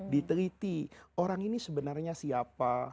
diteliti orang ini sebenarnya siapa